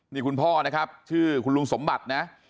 นี่คุณพ่อนะครับชื่อคุณลุงสมบัตินะ